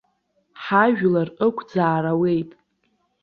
Ҳажәлар ықәӡаар ауеит.